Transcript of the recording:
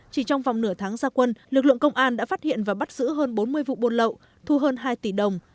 chỉ trong vòng nửa tháng gia quân lực lượng công an đã phát hiện và bắt giữ hơn bốn mươi vụ buôn lậu thu hơn hai tỷ đồng